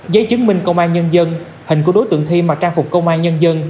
giấy chứng minh công an nhân dân hình của đối tượng thi mà trang phục công an nhân dân